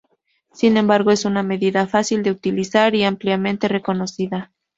Sin embargo, es una medida fácil de utilizar y ampliamente reconocida.